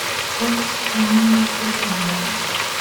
Edge and Mr. Dunbar.